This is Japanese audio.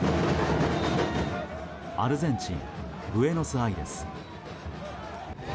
アルゼンチンブエノスアイレス。